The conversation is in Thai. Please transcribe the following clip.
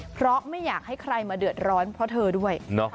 เพราะไม่อยากให้ใครมาเดือดร้อนเพราะเธอด้วย